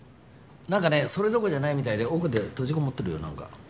なんかねそれどころじゃないみたいで奥で閉じこもってるよなんか。